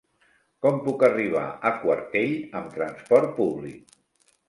Com puc arribar a Quartell amb transport públic?